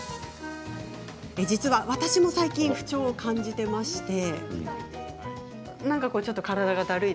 実は私も最近不調を感じておりまして。